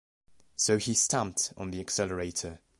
So he stamped on the accelerator.